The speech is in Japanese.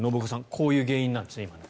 こういう原因なんですね。